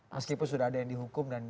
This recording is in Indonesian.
meskipun sudah ada yang dihukum